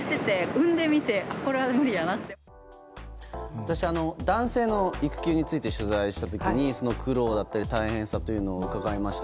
私、男性の育休について取材した時にその苦労だったり大変さを伺いました。